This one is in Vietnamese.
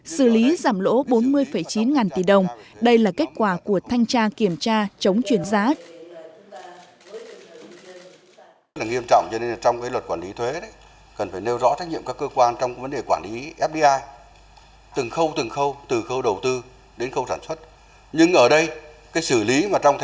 xử lý giảm lỗ bốn mươi chín ngàn tỷ đồng đây là kết quả của thanh tra kiểm tra chống chuyển giá